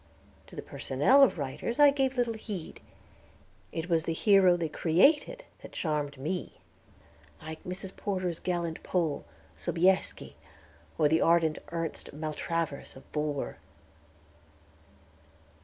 To the personnel of writers I gave little heed; it was the hero they created that charmed me, like Miss Porter's gallant Pole, Sobieski, or the ardent Ernest Maltravers, of Bulwer.